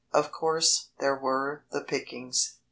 Of course, there were the pickings.